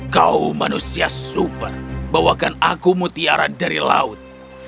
kau manusia super bawakan aku mutiara dari laut